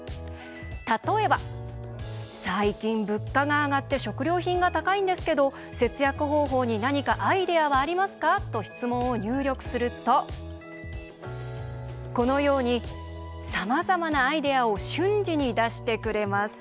例えば「最近、物価が上がって食料品が高いんですけど節約方法に何かアイデアはありますか？」と質問を入力するとこのように、さまざまなアイデアを瞬時に出してくれます。